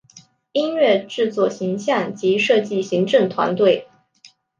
音乐制作形像及设计行政团队